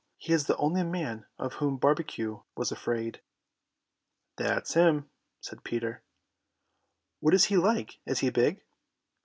He is the only man of whom Barbecue was afraid." "That's him," said Peter. "What is he like? Is he big?"